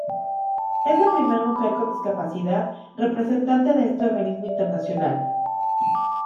Es la primera mujer con discapacidad representante de este organismo internacional.